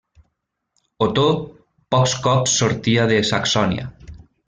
Otó pocs cops sortia de Saxònia.